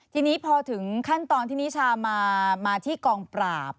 ทีนี้พอถึงขั้นตอนที่นิชามาที่กองปราบ